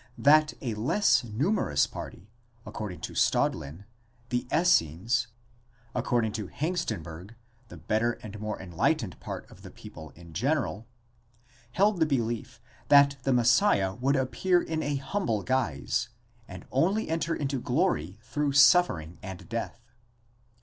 that a less numerous party,—accord ing to Staudlin, the Essenes; according to Hengstenberg, the better and more enlightened part of the people in general—held the belief that the Messiah would appear in a humble guise, and only enter into glory through suffering and death.